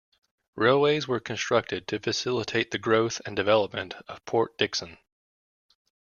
Railways were constructed to facilitate the growth and development of Port Dickson.